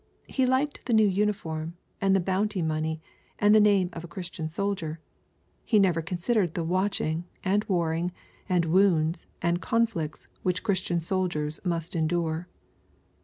He liked the new uniform, and the bounty mofiey. and the name of a Christian soldier. — He never considered the watching, and warring, and wounds, and conflicts, which Christian soldiers must endure.